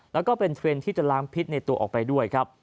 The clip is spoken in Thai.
แล้วก็เป็นเทรนด์ที่จะล้างพิษในตัวออกไปด้วยครับ